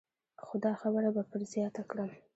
خو دا خبره به پر زیاته کړم.